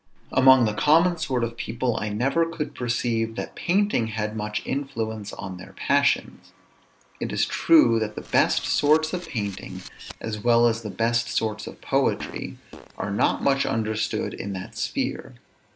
Among the common sort of people, I never could perceive that painting had much influence on their passions. It is true that the best sorts of painting, as well as the best sorts of poetry, are not much understood in that sphere.